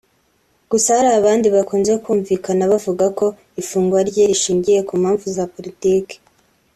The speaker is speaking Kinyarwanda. gusa hari abandi bakunze kumvikana bavuga ko ifungwa rye rishingiye ku mpamvu za politiki